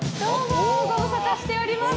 ご無沙汰しております。